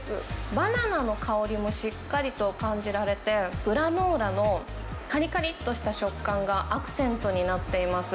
バナナの香りもしっかりと感じられて、グラノーラのかりかりっとした食感がアクセントになっています。